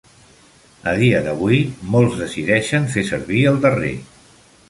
A dia d'avui, molts decideixen fer servir el darrer.